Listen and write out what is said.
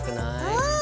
うん！